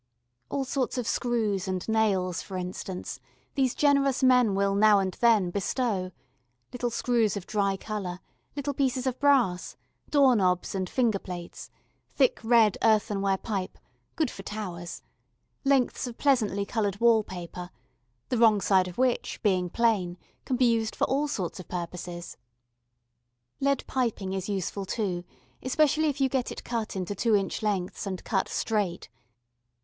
All sorts of screws and nails, for instance, these generous men will now and then bestow little screws of dry colour, little pieces of brass, door knobs and finger plates, thick red earthenware pipe, good for towers, lengths of pleasantly coloured wall paper the wrong side of which, being plain, can be used for all sorts of purposes. Lead piping is useful too, especially if you get it cut into 2 in. lengths and cut straight.